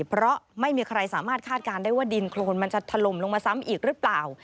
เพราะไม่มีใครสามารถคาดการณ์ได้ว่าดินโครนมันจะถล่มลงมาซ้ำอีกหรือเปล่า